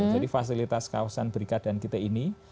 jadi fasilitas kawasan berikat dan kit ini